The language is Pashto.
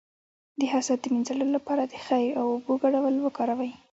د حسد د مینځلو لپاره د خیر او اوبو ګډول وکاروئ